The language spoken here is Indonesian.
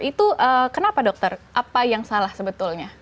itu kenapa dokter apa yang salah sebetulnya